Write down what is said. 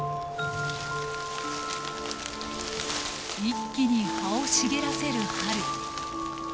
一気に葉を茂らせる春。